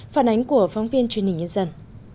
phản ánh của phóng viên truyền hình nhân dân